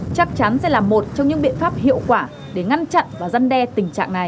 chắc chắn sẽ là một trong những biện pháp hiệu quả để ngăn chặn và giăn đe tình trạng này